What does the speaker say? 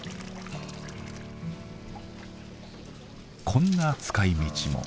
こんな使いみちも。